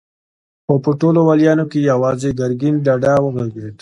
خو په ټولو واليانو کې يواځې ګرګين ډاډه وغږېد.